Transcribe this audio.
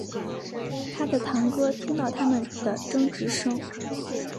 他的堂哥听到他们的争执声